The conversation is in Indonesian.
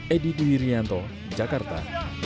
edi guirianto jakarta